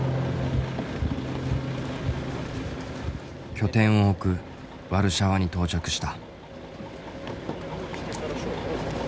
拠点を置くワルシャワに到着した。